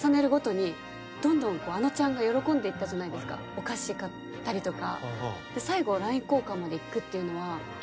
お菓子買ったりとか。